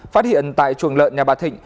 phát hiện tại chuồng lợn nhà bà thịnh